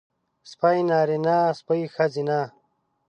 سپی نارينه سپۍ ښځينۀ